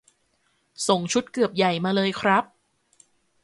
ส่งชุดเกือบใหญ่มาเลยครับ